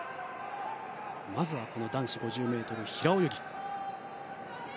まずは男子５０ｍ平泳ぎ。